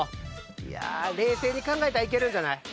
いや冷静に考えたらいけるんじゃない？